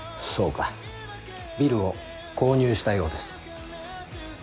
ビルを購入したようです。